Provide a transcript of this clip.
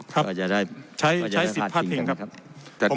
ครับใช้สิทธิภาพจริงครับ